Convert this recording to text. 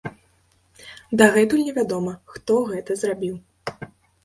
Дагэтуль невядома, хто гэта зрабіў.